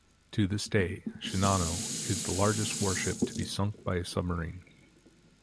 To this day, "Shinano" is the largest warship to be sunk by a submarine.